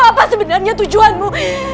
apa sebenarnya tujuanmu